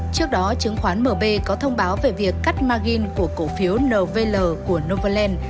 trước đó chứng khoán mb có thông báo về việc cắt magin của cổ phiếu nvl của novaland